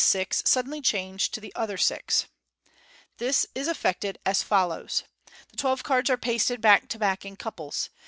six suddenly change to the other six. This is effected as follows :— The twelve cards are pasted back to back in couples.